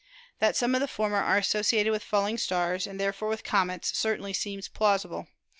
That some of the former are associated with falling stars, and therefore with comets, certainly seems plausible.